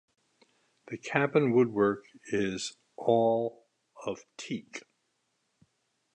The cabin woodwork is all of teak.